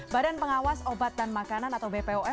badan pengawas obat dan makanan atau bpom